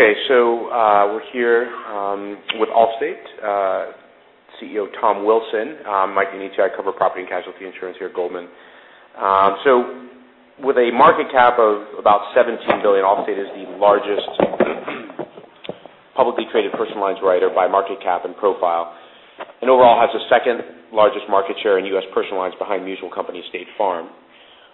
We're here with Allstate CEO, Tom Wilson. I'm Mike Nocerino. I cover property and casualty insurance here at Goldman Sachs. With a market cap of about $17 billion, Allstate is the largest publicly traded personal lines writer by market cap and profile, and overall has the second largest market share in U.S. personal lines behind mutual company State Farm.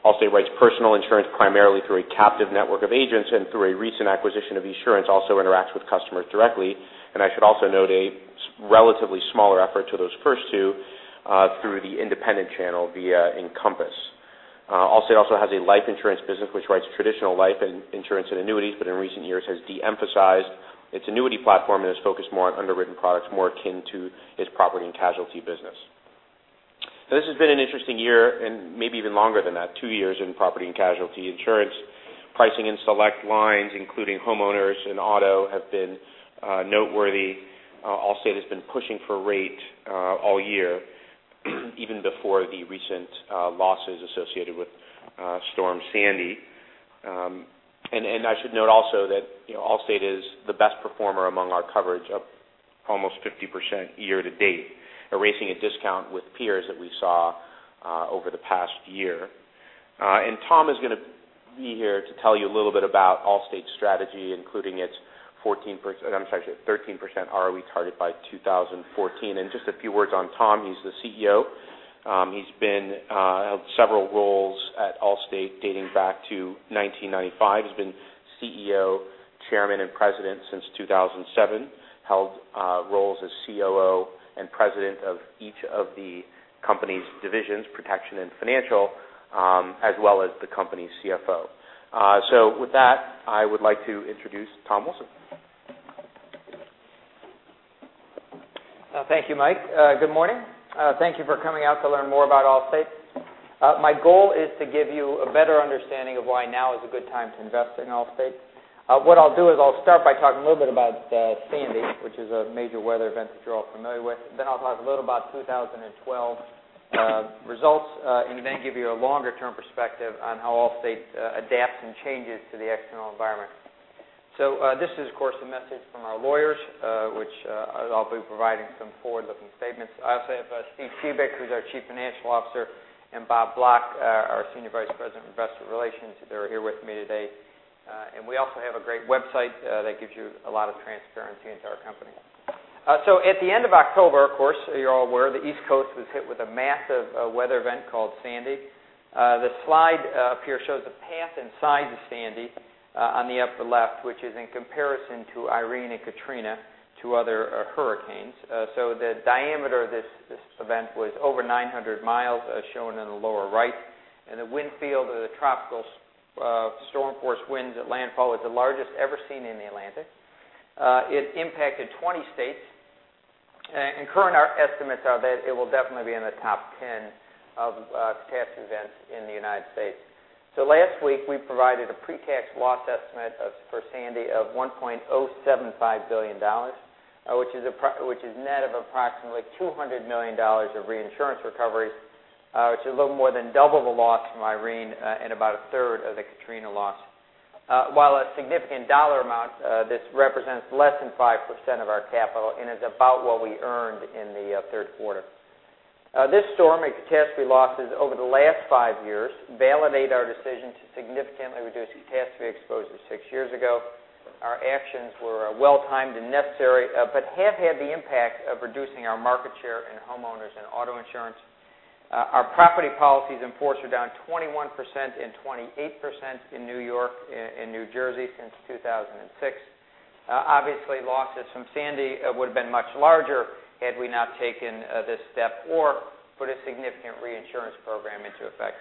Allstate writes personal insurance primarily through a captive network of agents and through a recent acquisition of Esurance, also interacts with customers directly. I should also note a relatively smaller effort to those first two, through the independent channel via Encompass. Allstate also has a life insurance business which writes traditional life insurance and annuities, but in recent years has de-emphasized its annuity platform and has focused more on underwritten products, more akin to its property and casualty business. This has been an interesting year and maybe even longer than that, two years in property and casualty insurance. Pricing in select lines, including homeowners and auto, have been noteworthy. Allstate has been pushing for rate all year, even before the recent losses associated with Hurricane Sandy. I should note also that Allstate is the best performer among our coverage of almost 50% year to date, erasing a discount with peers that we saw over the past year. Tom is going to be here to tell you a little bit about Allstate's strategy, including its 13% ROE target by 2014. Just a few words on Tom. He's the CEO. He's been at several roles at Allstate dating back to 1995. He's been CEO, Chairman, and President since 2007, held roles as COO and President of each of the company's divisions, protection and financial, as well as the company's CFO. With that, I would like to introduce Tom Wilson. Thank you, Mike. Good morning. Thank you for coming out to learn more about Allstate. My goal is to give you a better understanding of why now is a good time to invest in Allstate. What I'll do is I'll start by talking a little bit about Hurricane Sandy, which is a major weather event that you're all familiar with. I'll talk a little about 2012 results, give you a longer-term perspective on how Allstate adapts and changes to the external environment. This is, of course, a message from our lawyers, which I'll be providing some forward-looking statements. I also have Steven E. Shebik, who's our Chief Financial Officer, and Bob Block, our Senior Vice President of Investor Relations. They're here with me today. We also have a great website that gives you a lot of transparency into our company. At the end of October, of course, you are all aware the East Coast was hit with a massive weather event called Sandy. The slide up here shows the path and size of Sandy on the upper left, which is in comparison to Hurricane Irene and Hurricane Katrina, two other hurricanes. The diameter of this event was over 900 miles, as shown in the lower right, and the wind field of the tropical storm force winds at landfall was the largest ever seen in the Atlantic. It impacted 20 states. Current estimates are that it will definitely be in the top 10 of cat events in the U.S. Last week, we provided a pre-tax loss estimate for Sandy of $1.075 billion, which is net of approximately $200 million of reinsurance recoveries, which is a little more than double the loss from Hurricane Irene and about a third of the Hurricane Katrina loss. While a significant dollar amount, this represents less than 5% of our capital and is about what we earned in the third quarter. This storm and catastrophe losses over the last 5 years validate our decision to significantly reduce catastrophe exposure 6 years ago. Our actions were well timed and necessary, but have had the impact of reducing our market share in homeowners and auto insurance. Our property policies in force are down 21% and 28% in New York and New Jersey since 2006. Obviously, losses from Sandy would have been much larger had we not taken this step or put a significant reinsurance program into effect.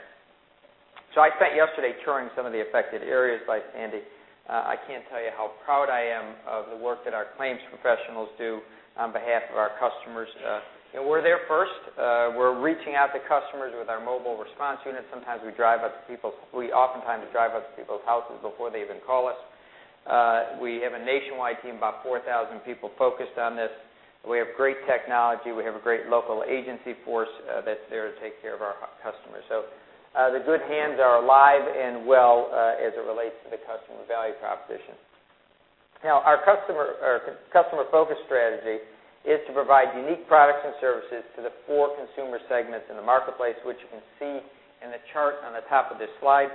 I spent yesterday touring some of the affected areas by Sandy. I cannot tell you how proud I am of the work that our claims professionals do on behalf of our customers. We are there first. We are reaching out to customers with our mobile response units. Sometimes we oftentimes drive up to people's houses before they even call us. We have a nationwide team, about 4,000 people focused on this. We have great technology. We have a great local agency force that is there to take care of our customers. The good hands are alive and well as it relates to the customer value proposition. Our customer focus strategy is to provide unique products and services to the four consumer segments in the marketplace, which you can see in the chart on the top of this slide.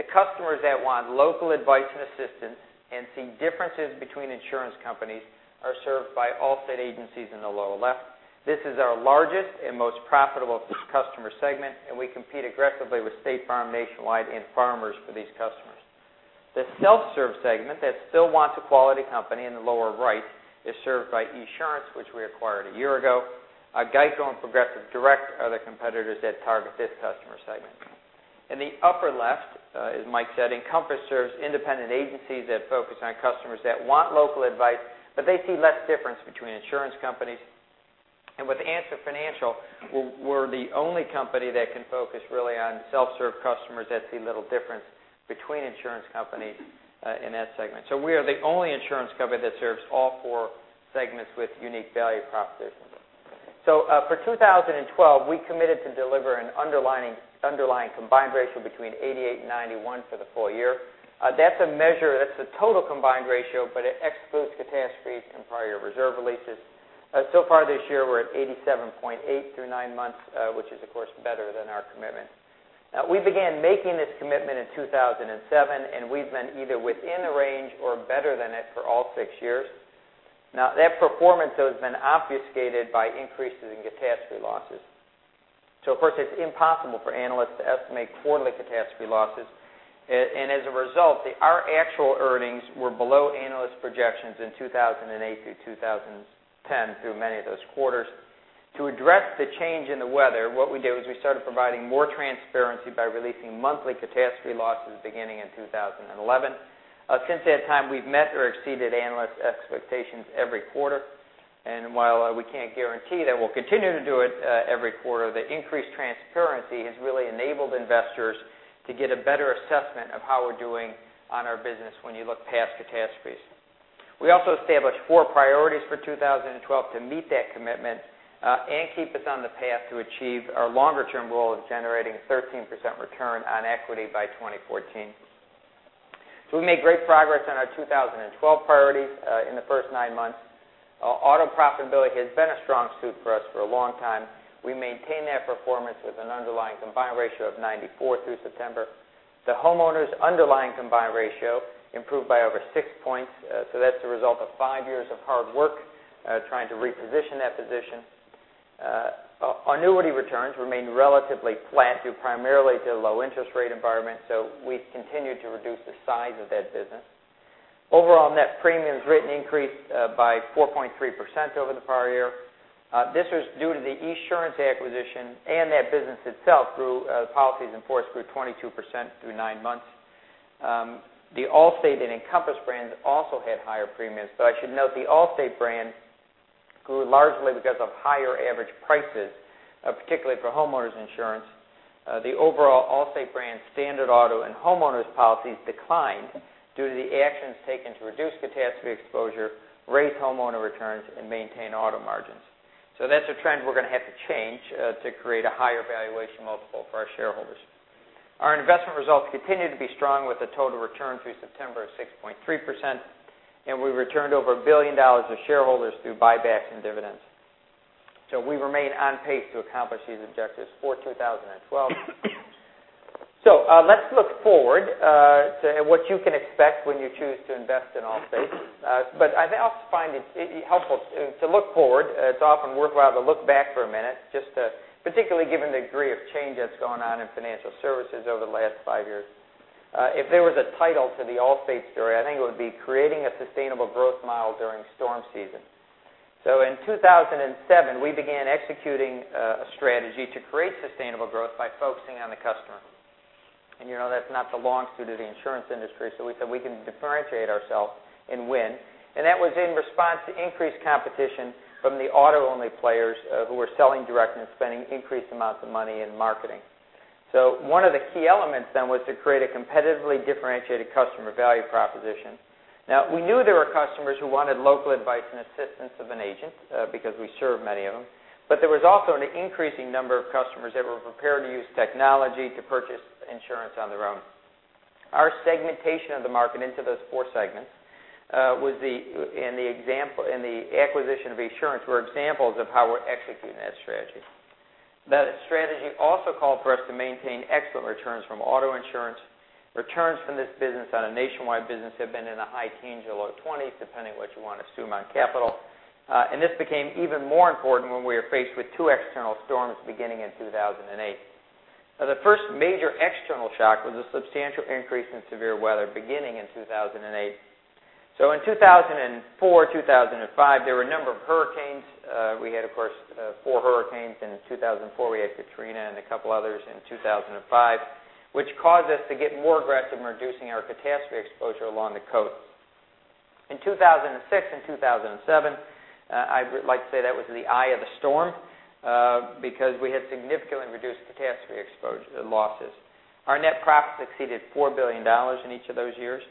The customers that want local advice and assistance and see differences between insurance companies are served by Allstate agencies in the lower left. This is our largest and most profitable customer segment, and we compete aggressively with State Farm, Nationwide, and Farmers for these customers. The self-serve segment that still wants a quality company in the lower right is served by Esurance, which we acquired 1 year ago. GEICO and Progressive Direct are the competitors that target this customer segment. In the upper left, as Mike said, Encompass serves independent agencies that focus on customers that want local advice, but they see less difference between insurance companies. With Answer Financial, we are the only company that can focus really on self-serve customers that see little difference between insurance companies in that segment. We are the only insurance company that serves all four segments with unique value propositions. For 2012, we committed to deliver an underlying combined ratio between 88% and 91% for the full year. That is a measure, that is the total combined ratio, but it excludes catastrophes and prior reserve releases. Far this year, we are at 87.8% through nine months, which is, of course, better than our commitment. We began making this commitment in 2007, and we have been either within the range or better than it for all six years. That performance, though, has been obfuscated by increases in catastrophe losses. Of course, it is impossible for analysts to estimate quarterly catastrophe losses. As a result, our actual earnings were below analyst projections in 2008 through 2010, through many of those quarters. To address the change in the weather, what we did was we started providing more transparency by releasing monthly catastrophe losses beginning in 2011. Since that time, we have met or exceeded analyst expectations every quarter. While we cannot guarantee that we will continue to do it every quarter, the increased transparency has really enabled investors to get a better assessment of how we are doing on our business when you look past catastrophes. We also established four priorities for 2012 to meet that commitment and keep us on the path to achieve our longer-term goal of generating 13% return on equity by 2014. We made great progress on our 2012 priorities in the first nine months. Auto profitability has been a strong suit for us for a long time. We maintain that performance with an underlying combined ratio of 94% through September. The homeowners' underlying combined ratio improved by over six points. That is the result of five years of hard work trying to reposition that position. Our annuity returns remained relatively flat due primarily to low interest rate environment, we have continued to reduce the size of that business. Overall Net Premiums Written increased by 4.3% over the prior year. This was due to the Esurance acquisition and that business itself grew policies in force grew 22% through nine months. The Allstate and Encompass brands also had higher premiums, I should note the Allstate brand grew largely because of higher average prices, particularly for homeowners insurance. The overall Allstate brand standard auto and homeowners policies declined due to the actions taken to reduce catastrophe exposure, raise homeowner returns, and maintain auto margins. That is a trend we are going to have to change to create a higher valuation multiple for our shareholders. Our investment results continued to be strong with a total return through September of 6.3%, and we returned over $1 billion to shareholders through buybacks and dividends. We remain on pace to accomplish these objectives for 2012. Let us look forward to what you can expect when you choose to invest in Allstate. I also find it helpful to look forward. It is often worthwhile to look back for a minute, just to particularly given the degree of change that has gone on in financial services over the last five years. If there was a title to the Allstate story, I think it would be creating a sustainable growth model during storm season. In 2007, we began executing a strategy to create sustainable growth by focusing on the customer. You know that's not the long suit of the insurance industry, we said we can differentiate ourselves and win. That was in response to increased competition from the auto-only players who were selling direct and spending increased amounts of money in marketing. One of the key elements then was to create a competitively differentiated customer value proposition. We knew there were customers who wanted local advice and assistance of an agent because we served many of them. There was also an increasing number of customers that were prepared to use technology to purchase insurance on their own. Our segmentation of the market into those four segments and the acquisition of Esurance were examples of how we're executing that strategy. That strategy also called for us to maintain excellent returns from auto insurance. Returns from this business on a nationwide business have been in the high teens or low 20s, depending what you want to assume on capital. This became even more important when we were faced with two external storms beginning in 2008. The first major external shock was a substantial increase in severe weather beginning in 2008. In 2004, 2005, there were a number of hurricanes. We had, of course, four hurricanes in 2004. We had Katrina and a couple others in 2005, which caused us to get more aggressive in reducing our catastrophe exposure along the coast. In 2006 and 2007, I would like to say that was the eye of the storm because we had significantly reduced catastrophe losses. Our net profit exceeded $4 billion in each of those years.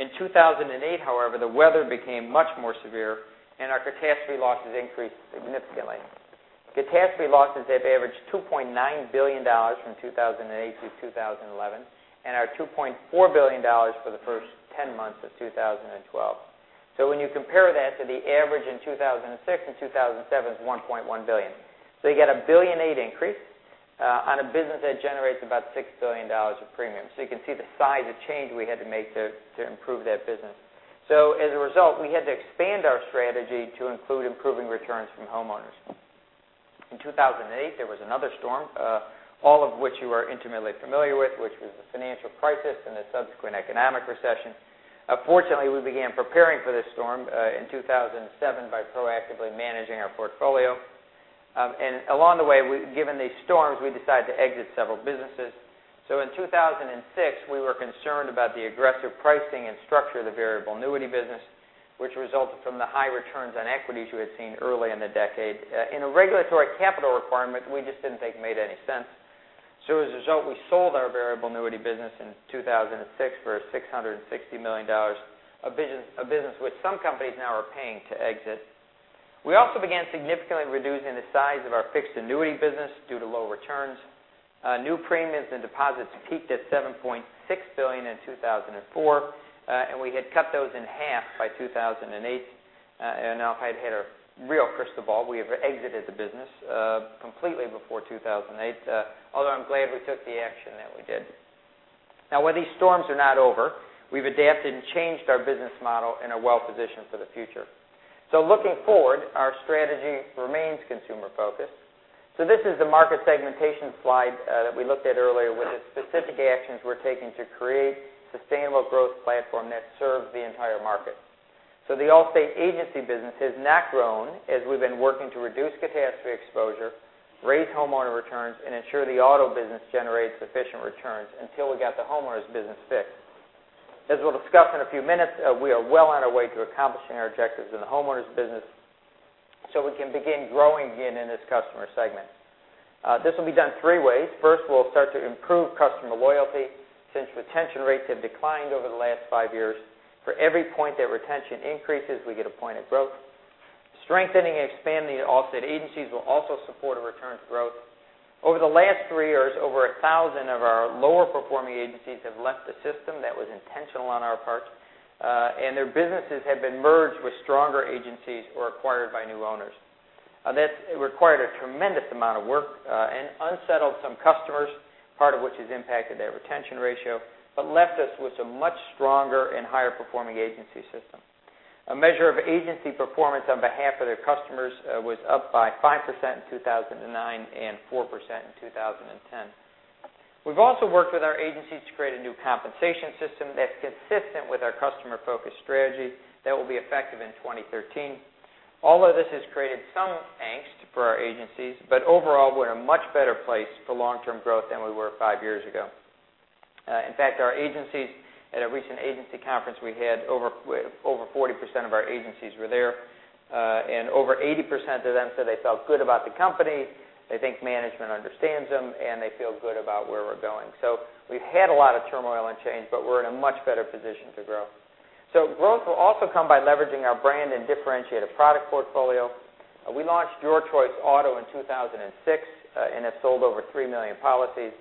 In 2008, however, the weather became much more severe, and our catastrophe losses increased significantly. Catastrophe losses have averaged $2.9 billion from 2008 through 2011, and are $2.4 billion for the first 10 months of 2012. When you compare that to the average in 2006 and 2007 is $1.1 billion. You get a $1.8 billion increase on a business that generates about $6 billion of premiums. You can see the size of change we had to make to improve that business. As a result, we had to expand our strategy to include improving returns from homeowners. In 2008, there was another storm, all of which you are intimately familiar with, which was the financial crisis and the subsequent economic recession. Fortunately, we began preparing for this storm in 2007 by proactively managing our portfolio. Along the way, given these storms, we decided to exit several businesses. In 2006, we were concerned about the aggressive pricing and structure of the variable annuity business, which resulted from the high returns on equities we had seen early in the decade in a regulatory capital requirement we just didn't think made any sense. As a result, we sold our variable annuity business in 2006 for $660 million, a business which some companies now are paying to exit. We also began significantly reducing the size of our fixed annuity business due to low returns. New premiums and deposits peaked at $7.6 billion in 2004, and we had cut those in half by 2008. Now if I'd had a real crystal ball, we have exited the business completely before 2008, although I'm glad we took the action that we did. While these storms are not over, we've adapted and changed our business model and are well-positioned for the future. Looking forward, our strategy remains consumer-focused. This is the market segmentation slide that we looked at earlier with the specific actions we're taking to create a sustainable growth platform that serves the entire market. The Allstate agency business has not grown as we've been working to reduce catastrophe exposure, raise homeowner returns, and ensure the auto business generates sufficient returns until we got the homeowners business fixed. As we'll discuss in a few minutes, we are well on our way to accomplishing our objectives in the homeowners business so we can begin growing again in this customer segment. This will be done three ways. First, we'll start to improve customer loyalty since retention rates have declined over the last five years. For every point that retention increases, we get a point of growth. Strengthening and expanding the Allstate agencies will also support a return to growth. Over the last three years, over 1,000 of our lower performing agencies have left the system. That was intentional on our part, and their businesses have been merged with stronger agencies or acquired by new owners. That required a tremendous amount of work, and unsettled some customers, part of which has impacted their retention ratio, but left us with a much stronger and higher performing agency system. A measure of agency performance on behalf of their customers was up by 5% in 2009 and 4% in 2010. We've also worked with our agencies to create a new compensation system that's consistent with our customer-focused strategy that will be effective in 2013. All of this has created some angst for our agencies, but overall, we're in a much better place for long-term growth than we were five years ago. In fact, our agencies at a recent agency conference we had, over 40% of our agencies were there. Over 80% of them said they felt good about the company, they think management understands them, and they feel good about where we're going. We've had a lot of turmoil and change, but we're in a much better position to grow. Growth will also come by leveraging our brand and differentiated product portfolio. We launched Your Choice Auto in 2006, and have sold over three million policies.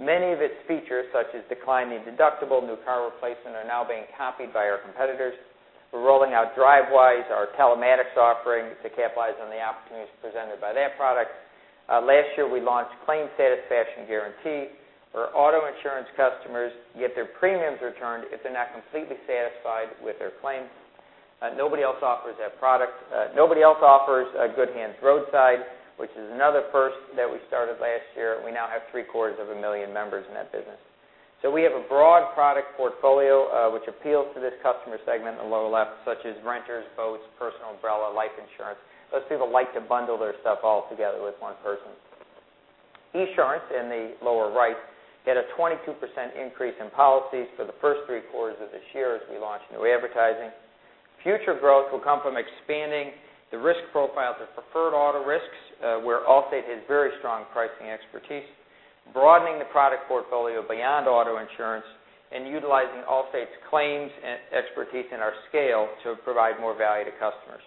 Many of its features, such as declining deductible, new car replacement, are now being copied by our competitors. We're rolling out Drivewise, our telematics offering, to capitalize on the opportunities presented by that product. Last year, we launched Claim Satisfaction Guarantee, where auto insurance customers get their premiums returned if they're not completely satisfied with their claim. Nobody else offers that product. Nobody else offers Good Hands Roadside, which is another first that we started last year. We now have three-quarters of a million members in that business. We have a broad product portfolio, which appeals to this customer segment in the lower left, such as renters, boats, personal umbrella, life insurance. Those people like to bundle their stuff all together with one person. Esurance in the lower right, had a 22% increase in policies for the first three quarters of this year as we launch new advertising. Future growth will come from expanding the risk profile to preferred auto risks, where Allstate has very strong pricing expertise, broadening the product portfolio beyond auto insurance, and utilizing Allstate's claims expertise and our scale to provide more value to customers.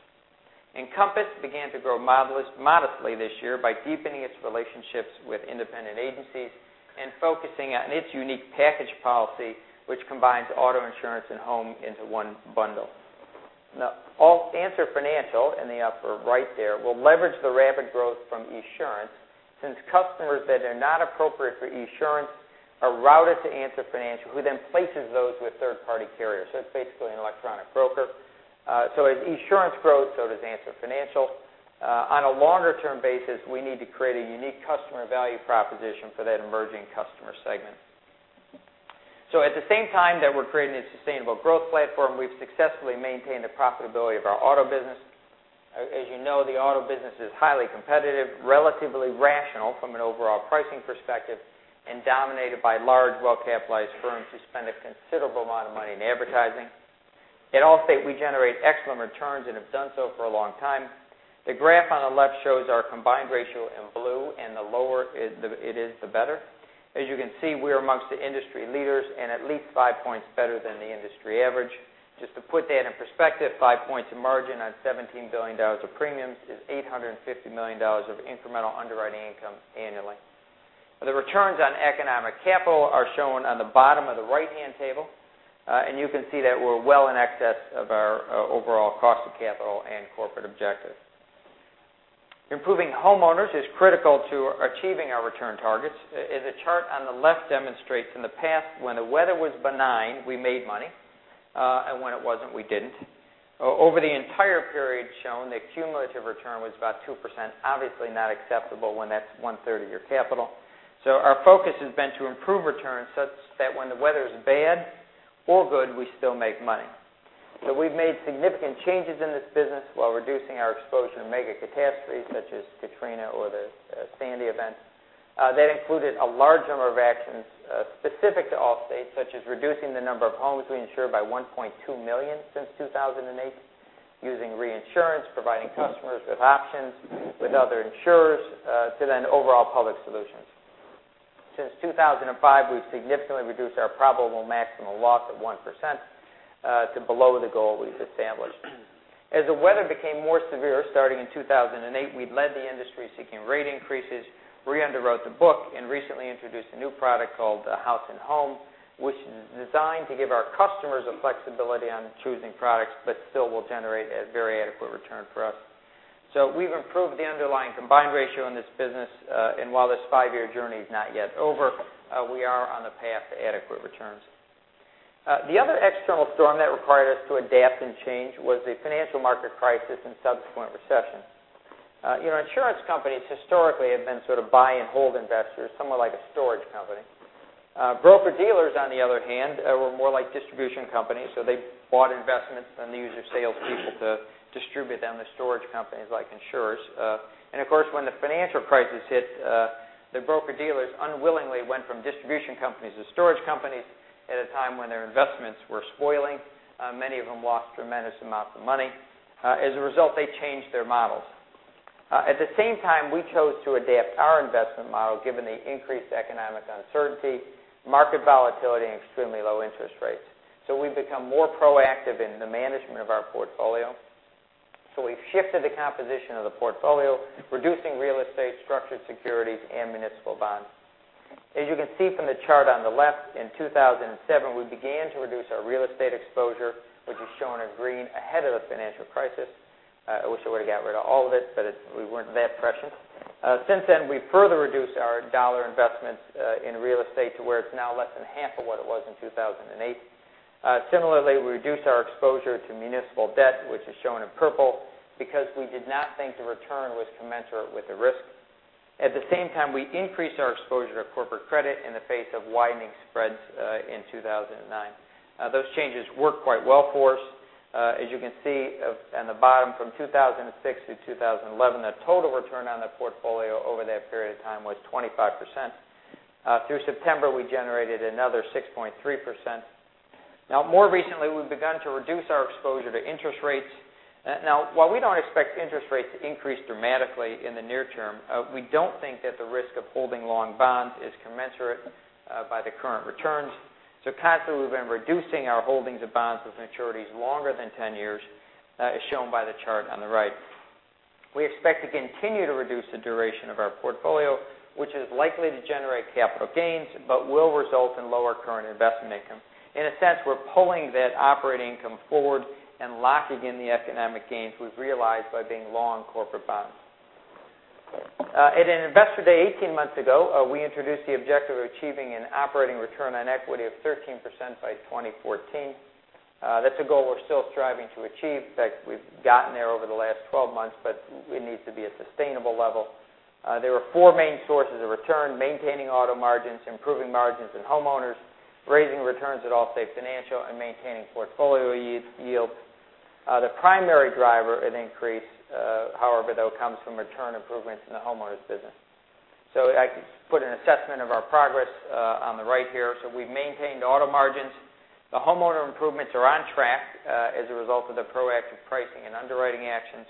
Encompass began to grow modestly this year by deepening its relationships with independent agencies and focusing on its unique package policy, which combines auto insurance and home into one bundle. Answer Financial in the upper right there will leverage the rapid growth from Esurance since customers that are not appropriate for Esurance are routed to Answer Financial, who then places those with third-party carriers. It's basically an electronic broker. As Esurance grows, so does Answer Financial. On a longer term basis, we need to create a unique customer value proposition for that emerging customer segment. At the same time that we're creating a sustainable growth platform, we've successfully maintained the profitability of our auto business. As you know, the auto business is highly competitive, relatively rational from an overall pricing perspective, and dominated by large, well-capitalized firms who spend a considerable amount of money in advertising. At Allstate, we generate excellent returns and have done so for a long time. The graph on the left shows our combined ratio in blue, and the lower it is, the better. As you can see, we're amongst the industry leaders and at least five points better than the industry average. Just to put that in perspective, five points of margin on $17 billion of premiums is $850 million of incremental underwriting income annually. The returns on economic capital are shown on the bottom of the right-hand table. You can see that we're well in excess of our overall cost of capital and corporate objectives. Improving homeowners is critical to achieving our return targets. As the chart on the left demonstrates, in the past, when the weather was benign, we made money, and when it wasn't, we didn't. Over the entire period shown, the cumulative return was about 2%, obviously not acceptable when that's one-third of your capital. Our focus has been to improve returns such that when the weather's bad or good, we still make money. We've made significant changes in this business while reducing our exposure to mega catastrophes such as Katrina or the Sandy event. That included a large number of actions specific to Allstate, such as reducing the number of homes we insure by 1.2 million since 2008. Using reinsurance, providing customers with options with other insurers to then overall public solutions. Since 2005, we've significantly reduced our probable maximum loss of 1% to below the goal we've established. As the weather became more severe starting in 2008, we'd led the industry seeking rate increases. We underwrote the book and recently introduced a new product called House and Home, which is designed to give our customers the flexibility on choosing products, but still will generate a very adequate return for us. We've improved the underlying combined ratio in this business. While this five-year journey is not yet over, we are on the path to adequate returns. The other external storm that required us to adapt and change was the financial market crisis and subsequent recession. Insurance companies historically have been sort of buy and hold investors, somewhat like a storage company. Broker-dealers, on the other hand, were more like distribution companies, they bought investments and used their salespeople to distribute them to storage companies like insurers. Of course, when the financial crisis hit, the broker-dealers unwillingly went from distribution companies to storage companies at a time when their investments were spoiling. Many of them lost tremendous amounts of money. As a result, they changed their models. At the same time, we chose to adapt our investment model given the increased economic uncertainty, market volatility, and extremely low interest rates. We've become more proactive in the management of our portfolio. We've shifted the composition of the portfolio, reducing real estate, structured securities, and municipal bonds. As you can see from the chart on the left, in 2007, we began to reduce our real estate exposure, which is shown in green ahead of the financial crisis. I wish we would've got rid of all of it, but we weren't that prescient. Since then, we've further reduced our dollar investments in real estate to where it's now less than half of what it was in 2008. Similarly, we reduced our exposure to municipal debt, which is shown in purple, because we did not think the return was commensurate with the risk. At the same time, we increased our exposure to corporate credit in the face of widening spreads in 2009. Those changes worked quite well for us. As you can see on the bottom, from 2006 to 2011, the total return on the portfolio over that period of time was 25%. Through September, we generated another 6.3%. More recently, we've begun to reduce our exposure to interest rates. While we don't expect interest rates to increase dramatically in the near term, we don't think that the risk of holding long bonds is commensurate by the current returns. Constantly, we've been reducing our holdings of bonds with maturities longer than 10 years, as shown by the chart on the right. We expect to continue to reduce the duration of our portfolio, which is likely to generate capital gains but will result in lower current investment income. In a sense, we're pulling that operating income forward and locking in the economic gains we've realized by being long corporate bonds. At an Investor Day 18 months ago, we introduced the objective of achieving an operating return on equity of 13% by 2014. That's a goal we're still striving to achieve. In fact, we've gotten there over the last 12 months, but it needs to be a sustainable level. There were four main sources of return, maintaining auto margins, improving margins in homeowners, raising returns at Allstate Financial, and maintaining portfolio yields. The primary driver of the increase, however, though, comes from return improvements in the homeowners business. I put an assessment of our progress on the right here. We've maintained auto margins. The homeowner improvements are on track as a result of the proactive pricing and underwriting actions.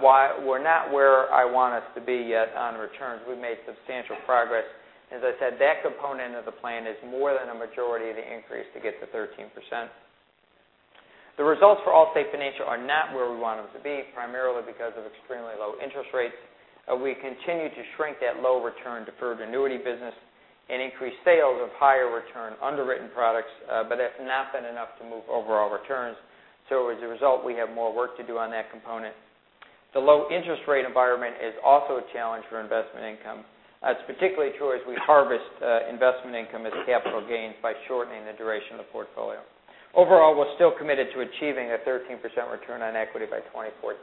While we're not where I want us to be yet on returns, we've made substantial progress. As I said, that component of the plan is more than a majority of the increase to get to 13%. The results for Allstate Financial are not where we want them to be, primarily because of extremely low interest rates. We continue to shrink that low return deferred annuity business and increase sales of higher return underwritten products. That's not been enough to move overall returns. As a result, we have more work to do on that component. The low interest rate environment is also a challenge for investment income. That's particularly true as we harvest investment income as capital gains by shortening the duration of the portfolio. Overall, we're still committed to achieving a 13% return on equity by 2014.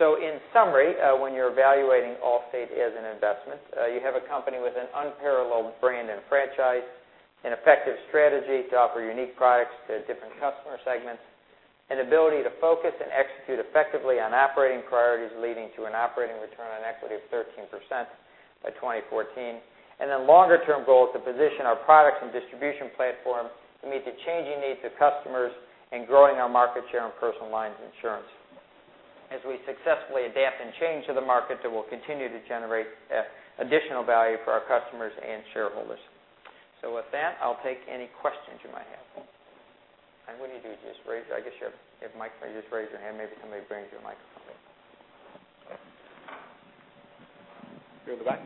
In summary, when you're evaluating Allstate as an investment, you have a company with an unparalleled brand and franchise, an effective strategy to offer unique products to different customer segments, an ability to focus and execute effectively on operating priorities, leading to an operating return on equity of 13% by 2014. Longer-term goal is to position our products and distribution platform to meet the changing needs of customers and growing our market share in personal lines insurance. As we successfully adapt and change to the market, it will continue to generate additional value for our customers and shareholders. With that, I'll take any questions you might have. When you do, just raise, I guess you have mics, just raise your hand, maybe somebody brings you a microphone. Here at the back.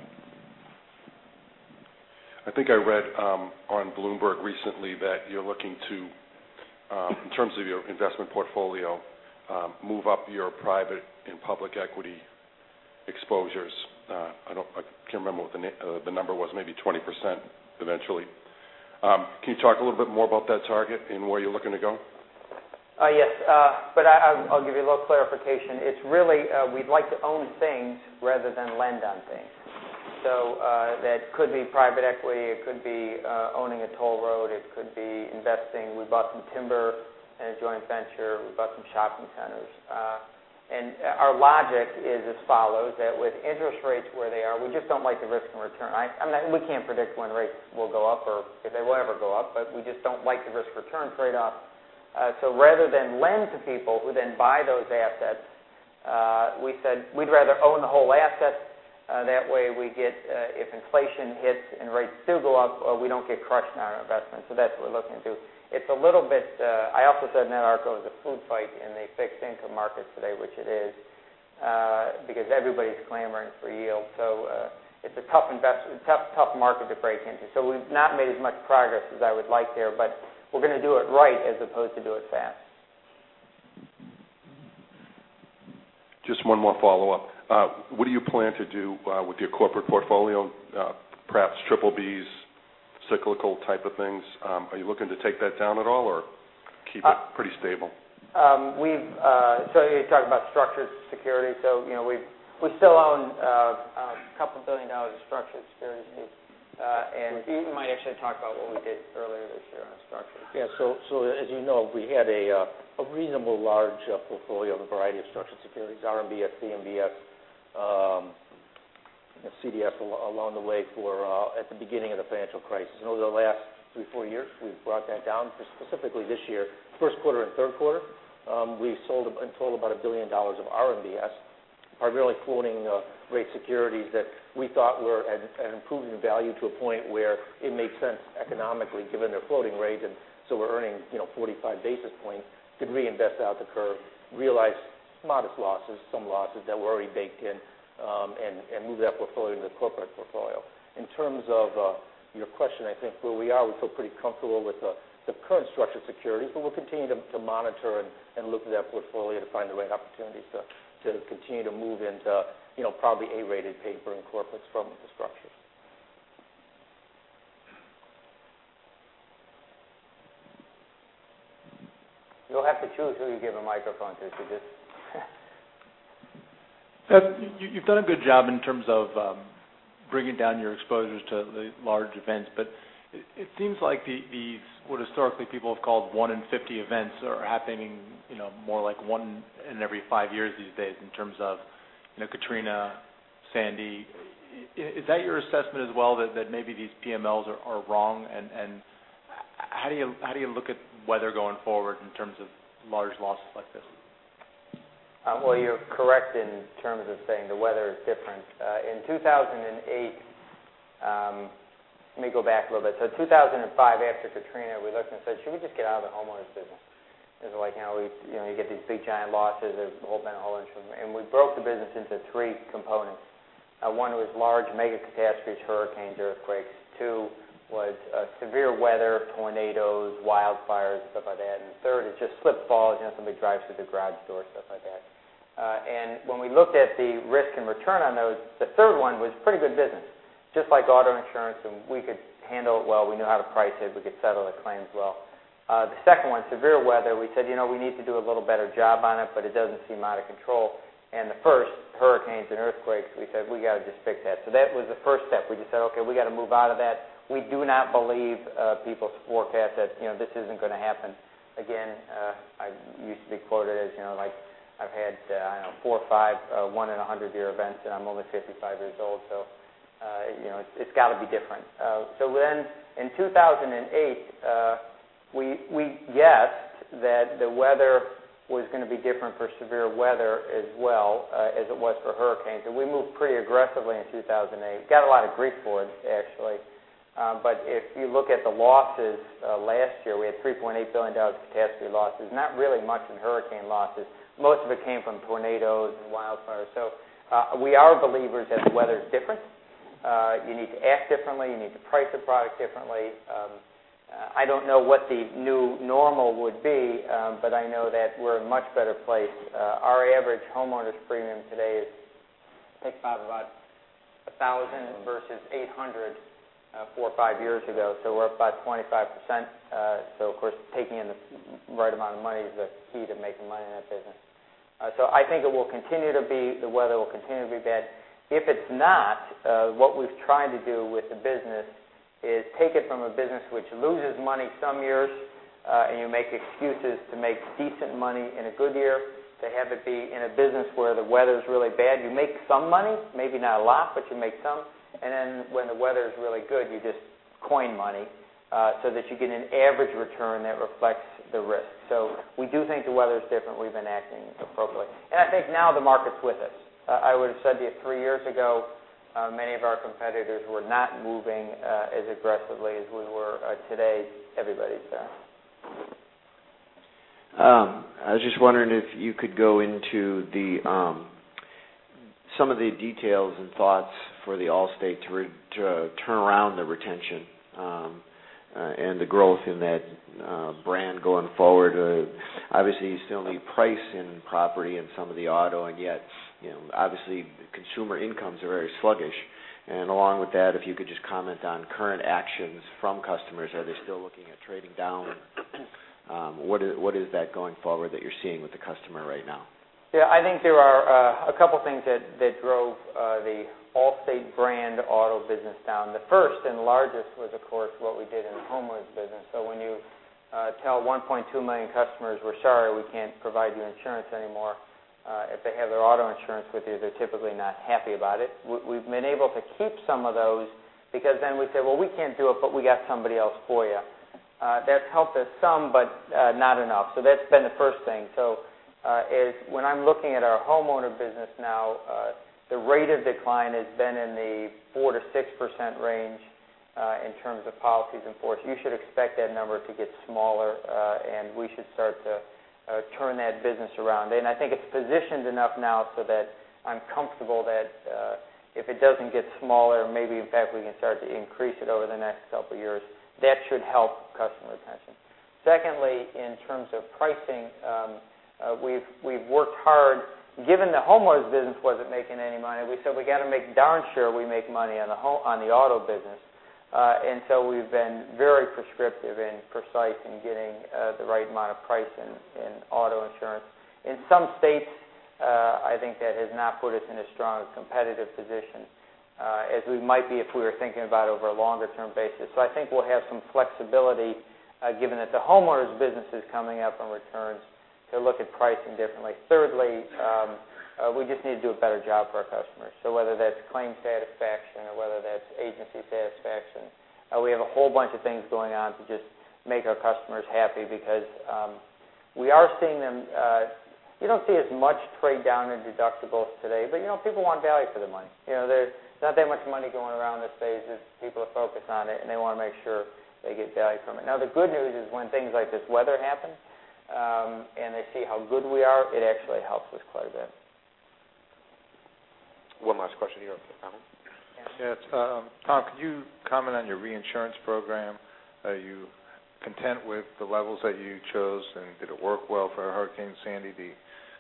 I think I read on Bloomberg recently that you're looking to, in terms of your investment portfolio, move up your private and public equity exposures. I can't remember what the number was, maybe 20% eventually. Can you talk a little bit more about that target and where you're looking to go? Yes, I'll give you a little clarification. It's really, we'd like to own things rather than lend on things. That could be private equity, it could be owning a toll road, it could be investing. We bought some timber in a joint venture. We bought some shopping. Our logic is as follows, that with interest rates where they are, we just don't like the risk and return. We can't predict when rates will go up or if they will ever go up, we just don't like the risk-return trade-off. Rather than lend to people who then buy those assets, we said we'd rather own the whole asset. That way, if inflation hits and rates do go up, we don't get crushed on our investment. That's what we're looking to do. I also said in that article there's a food fight in the fixed income market today, which it is, because everybody's clamoring for yield. It's a tough market to break into. We've not made as much progress as I would like there, we're going to do it right as opposed to do it fast. Just one more follow-up. What do you plan to do with your corporate portfolio? Perhaps triple BBBs, cyclical type of things. Are you looking to take that down at all or keep it pretty stable? You're talking about structured security. We still own a couple billion dollars of structured securities. You might actually talk about what we did earlier this year on structured. Yeah. As you know, we had a reasonably large portfolio of a variety of structured securities, RMBS, CMBS, and CDS along the way for at the beginning of the financial crisis. Over the last 3, 4 years, we've brought that down. Specifically this year, first quarter and third quarter, we've sold in total about $1 billion of RMBS, primarily floating rate securities that we thought were improving in value to a point where it makes sense economically, given their floating rate. We're earning 45 basis points to reinvest out the curve, realize modest losses, some losses that were already baked in, and move that portfolio into the corporate portfolio. In terms of your question, I think where we are, we feel pretty comfortable with the current structured securities, we'll continue to monitor and look at that portfolio to find the right opportunities to continue to move into probably A-rated paper and corporates from the structured. You'll have to choose who you give a microphone to, because You've done a good job in terms of bringing down your exposures to the large events, it seems like what historically people have called 1 in 50 events are happening more like one in every five years these days in terms of Katrina, Sandy. Is that your assessment as well, that maybe these PMLs are wrong? How do you look at weather going forward in terms of large losses like this? Well, you're correct in terms of saying the weather is different. In 2008, let me go back a little bit. 2005, after Katrina, we looked and said, "Should we just get out of the homeowners business?" Because right now, you get these big, giant losses of whole home insurance. We broke the business into three components. One was large mega catastrophes, hurricanes, earthquakes. Two was severe weather, tornadoes, wildfires, and stuff like that. The third is just slips, falls, somebody drives through the garage door, stuff like that. When we looked at the risk and return on those, the third one was pretty good business, just like auto insurance, and we could handle it well. We knew how to price it. We could settle the claims well. The second one, severe weather, we said, "We need to do a little better job on it, but it doesn't seem out of control." The first, hurricanes and earthquakes, we said, "We got to just fix that." That was the first step. We just said, "Okay, we got to move out of that." We do not believe people's forecast that this isn't going to happen again. I used to be quoted as like I've had, I don't know, four or five one in 100 year events, and I'm only 55 years old, so it's got to be different. In 2008, we guessed that the weather was going to be different for severe weather as well as it was for hurricanes. We moved pretty aggressively in 2008. Got a lot of grief for it, actually. If you look at the losses last year, we had $3.8 billion of catastrophe losses, not really much in hurricane losses. Most of it came from tornadoes and wildfires. We are believers that the weather's different. You need to act differently. You need to price the product differently. I don't know what the new normal would be, but I know that we're in a much better place. Our average homeowners premium today is about $1,000 versus $800, four or five years ago. We're up by 25%. Of course, taking in the right amount of money is the key to making money in that business. I think it will continue to be, the weather will continue to be bad. If it's not, what we've tried to do with the business is take it from a business which loses money some years, and you make excuses to make decent money in a good year, to have it be in a business where the weather's really bad. You make some money, maybe not a lot, but you make some. When the weather is really good, you just coin money so that you get an average return that reflects the risk. We do think the weather is different. We've been acting appropriately, and I think now the market's with us. I would have said to you three years ago, many of our competitors were not moving as aggressively as we were. Today, everybody's there. I was just wondering if you could go into some of the details and thoughts for the Allstate to turn around the retention and the growth in that brand going forward. Obviously, you still need price in property and some of the auto, yet obviously consumer incomes are very sluggish. Along with that, if you could just comment on current actions from customers. Are they still looking at trading down? What is that going forward that you're seeing with the customer right now? Yeah, I think there are a couple things that drove the Allstate brand auto business down. The first and largest was, of course, what we did in the homeowners business. When you tell 1.2 million customers, "We're sorry, we can't provide you insurance anymore," if they have their auto insurance with you, they're typically not happy about it. We've been able to keep some of those because then we say, "Well, we can't do it, but we got somebody else for you." That's helped us some, but not enough. That's been the first thing. When I'm looking at our homeowner business now, the rate of decline has been in the 4%-6% range in terms of policies in force. You should expect that number to get smaller, and we should start to turn that business around. I think it's positioned enough now so that I'm comfortable that if it doesn't get smaller, maybe in fact, we can start to increase it over the next couple of years. That should help customer retention. Secondly, in terms of pricing, we've worked hard. Given the homeowners business wasn't making any money, we said we got to make darn sure we make money on the auto business. We've been very prescriptive and precise in getting the right amount of price in auto insurance. In some states, I think that has not put us in as strong a competitive position as we might be if we were thinking about over a longer-term basis. I think we'll have some flexibility, given that the homeowners business is coming up on returns, to look at pricing differently. Thirdly, we just need to do a better job for our customers. Whether that's claim satisfaction or whether that's agency satisfaction, we have a whole bunch of things going on to just make our customers happy because we are seeing them. You don't see as much trade down in deductibles today, but people want value for their money. There's not that much money going around this phase as people are focused on it, and they want to make sure they get value from it. Now, the good news is when things like this weather happen, and they see how good we are, it actually helps us quite a bit. One last question here. Alan? Yes. Tom, could you comment on your reinsurance program? Are you content with the levels that you chose, and did it work well for Hurricane Sandy?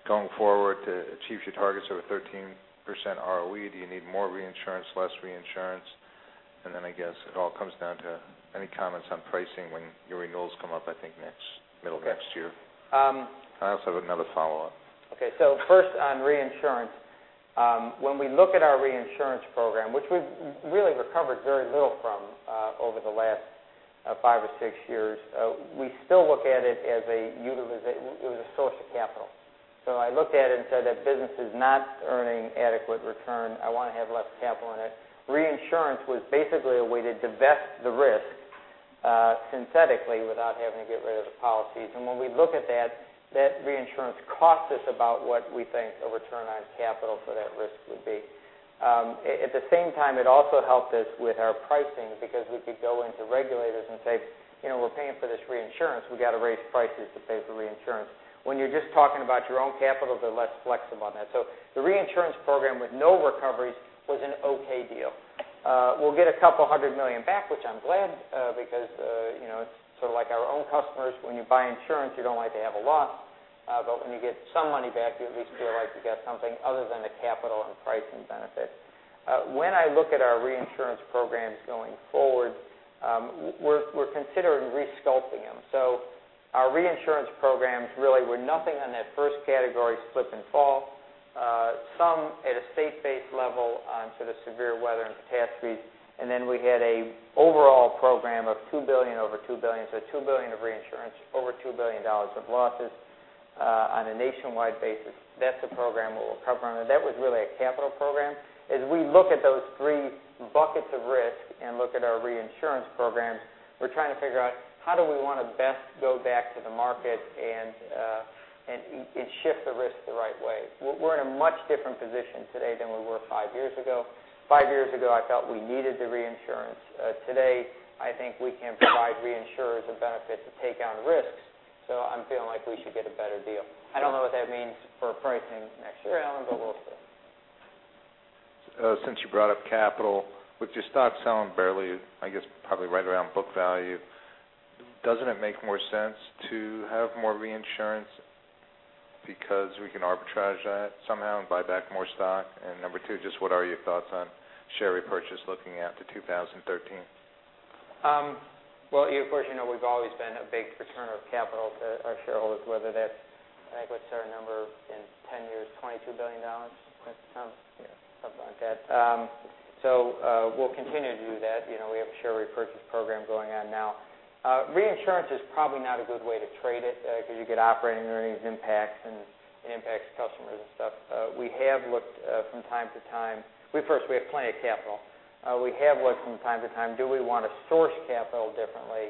Going forward, to achieve your targets over 13% ROE, do you need more reinsurance, less reinsurance? I guess it all comes down to any comments on pricing when your renewals come up, I think, middle of next year. I also have another follow-up. Okay. First on reinsurance. When we look at our reinsurance program, which we've really recovered very little from over the last five or six years, we still look at it as a source of capital. I looked at it and said if business is not earning adequate return, I want to have less capital in it. Reinsurance was basically a way to divest the risk synthetically without having to get rid of the policies. When we look at that reinsurance cost us about what we think a return on capital for that risk would be. At the same time, it also helped us with our pricing because we could go into regulators and say, "We're paying for this reinsurance. We got to raise prices to pay for reinsurance." When you're just talking about your own capital, they're less flexible on that. The reinsurance program with no recoveries was an okay deal. We'll get about $200 million back, which I'm glad because it's sort of like our own customers. When you buy insurance, you don't like to have a loss. When you get some money back, you at least feel like you got something other than the capital and pricing benefit. When I look at our reinsurance programs going forward, we're considering resculpting them. Our reinsurance programs really were nothing on that first category, slip and fall. Some at a state-based level on sort of severe weather and catastrophes. We had an overall program of $2 billion over $2 billion. $2 billion of reinsurance, over $2 billion of losses on a nationwide basis. That's a program where we're covering, and that was really a capital program. As we look at those three buckets of risk and look at our reinsurance programs, we're trying to figure out how do we want to best go back to the market and shift the risk the right way. We're in a much different position today than we were five years ago. Five years ago, I felt we needed the reinsurance. Today, I think we can provide reinsurers a benefit to take on risks. I'm feeling like we should get a better deal. I don't know what that means for pricing next year, Alan, but we'll see. Since you brought up capital, with your stock selling barely, I guess, probably right around book value, doesn't it make more sense to have more reinsurance because we can arbitrage that somehow and buy back more stock? Number 2, just what are your thoughts on share repurchase looking out to 2013? Well, of course you know we've always been a big returner of capital to our shareholders, whether that's, I think what's our number in 10 years, $22 billion? Something like that. We'll continue to do that. We have a share repurchase program going on now. Reinsurance is probably not a good way to trade it because you get operating earnings impacts, and it impacts customers and stuff. We have looked from time to time. First, we have plenty of capital. We have looked from time to time, do we want to source capital differently?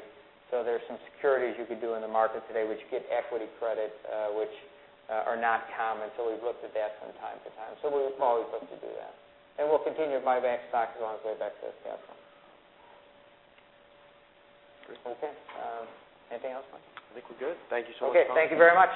There's some securities you could do in the market today which get equity credit which are not common. We've looked at that from time to time. We're always looking to do that. We'll continue to buy back stock as long as we have extra capital. Okay. Anything else? I think we're good. Thank you so much, Tom. Okay. Thank you very much.